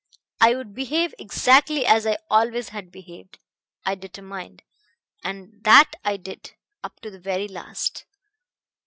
I would behave exactly as I always had behaved, I determined and that I did, up to the very last.